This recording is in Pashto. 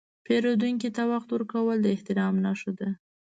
پیرودونکي ته وخت ورکول د احترام نښه ده.